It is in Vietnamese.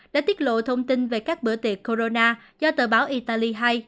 đã tiết lộ thông tin về các bữa tiệc corona do tờ báo italy hai